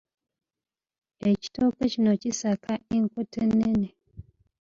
Ekitooke kino kissaako enkota ennene.